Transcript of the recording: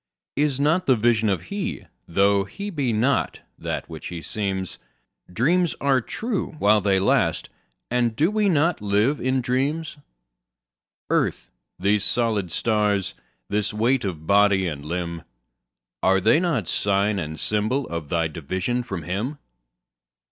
Is not the Vision He? tho' He be not that which He seems? Dreams are true while they last, and do we not live in dreams? Earth, these solid stars, this weight of body and limb, Are they not sign and symbol of thy division from Him?